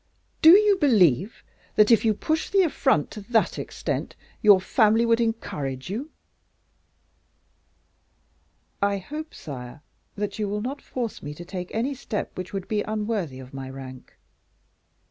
Do you believe that, if you push the affront to that extent, your family would encourage you?" "I hope, sire, that you will not force me to take any step which would be unworthy of my rank."